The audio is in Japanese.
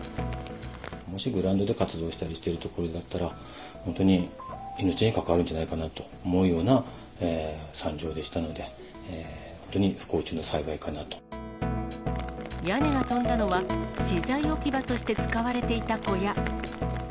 もしグラウンドで活動しているところだったら、本当に命に関わるんじゃないかなと思うような惨状でしたので、屋根が飛んだのは、資材置き場として使われていた小屋。